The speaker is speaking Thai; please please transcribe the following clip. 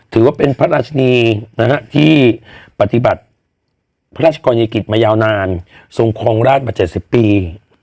ถือว่าเป็นพระราชนีนะฮะที่ปฏิบัติพระราชกรณียกิจมายาวนานทรงครองราชมา๗๐ปี